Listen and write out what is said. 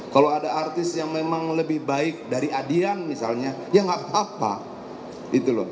kalau ada artis yang memang lebih baik dari adian misalnya ya nggak apa apa gitu loh